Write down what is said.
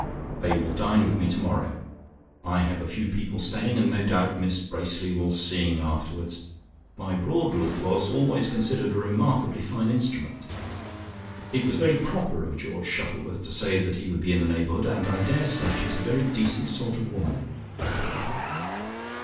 They will dine with me tomorrow. I have a few people staying, and no doubt Miss Bracely will sing afterwards. My Broadwood was always considered a remarkably fine instrument. It was very proper of George Shuttleworth to say that he would be in the neighbourhood, and I daresay she is a very decent sort of woman."